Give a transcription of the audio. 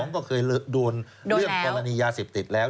ก็เคยโดนเรื่องกรณียาเสพติดแล้ว